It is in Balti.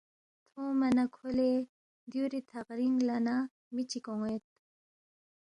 تھونگما نہ کھو لے دیُوری تھغرِنگ لہ نہ می چِک اون٘ید